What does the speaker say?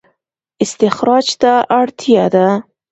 استخراج ته اړتیا ده